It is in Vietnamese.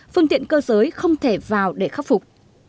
phương tiện cơ giới không thể vào để khắc phục